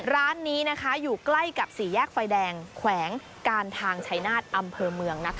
ร้านนี้อยู่ใกล้กับสี่แยกไฟแดงแขวงการทางชายนาฏอำเภอเมือง